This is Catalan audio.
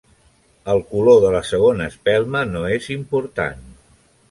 El color de la segona espelma no és important.